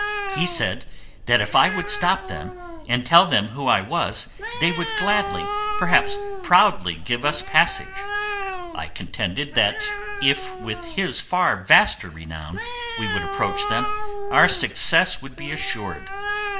He said that if I would stop them and tell them who I was they would gladly, perhaps proudly, give us passage; I contended that if with his far vaster renown he would approach them, our success would be assured.